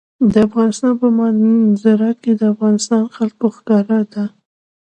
د افغانستان په منظره کې د افغانستان جلکو ښکاره ده.